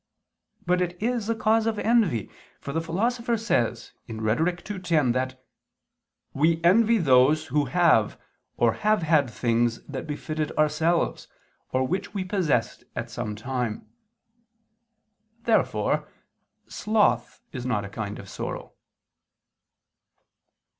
But it is a cause of envy; for the Philosopher says (Rhet. ii, 10) that "we envy those who have or have had things that befitted ourselves, or which we possessed at some time." Therefore sloth is not a kind of sorrow.